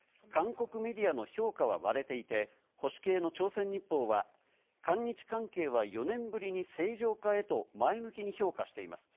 韓国メディアの評価は割れていて、保守系の朝鮮日報は「韓日関係は４年ぶりに正常化へ」と前向きに評価しています。